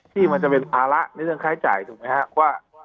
ที่มันจะเป็นภาระในเรื่องค่าใช้จ่ายถูกไหมครับว่า